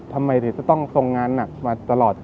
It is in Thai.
ทำไมถึงจะต้องทรงงานหนักมาตลอด